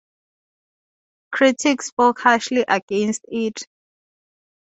Critics spoke harshly against it.